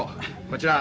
こちら。